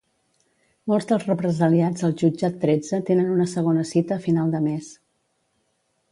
Molts dels represaliats al jutjat tretze tenen una segona cita a final de mes.